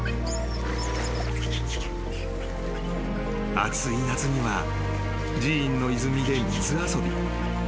［暑い夏には寺院の泉で水遊び］